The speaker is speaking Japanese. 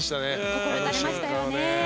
心打たれましたよね。